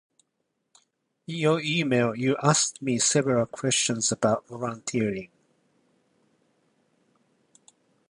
In your email you asked me several questions about volunteering.